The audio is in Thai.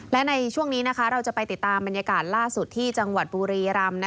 และในช่วงนี้เราจะไปติดตามบรรยากาศล่าสุดที่จังหวัดบุรีรำ